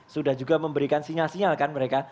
sudah juga memberikan sinyal sinyal kan mereka